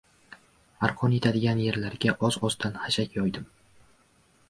Arqon yetadigan yerlarga oz-ozdan xashak yoydim.